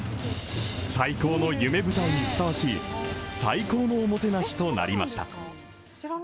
最高の夢舞台にふさわしい最高のおもてなしとなりました。